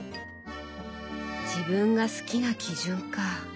「自分が好きな基準」か。